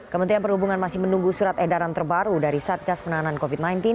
kementerian perhubungan masih menunggu surat edaran terbaru dari satgas penanganan covid sembilan belas